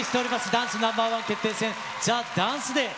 ダンスＮｏ．１決定戦、ＴＨＥＤＡＮＣＥＤＡＹ。